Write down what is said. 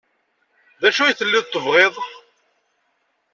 D acu ay telliḍ tebɣiḍ?